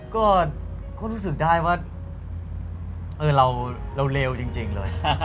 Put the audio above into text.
ก็รู้สึกได้ว่าเราเลวจริงเลย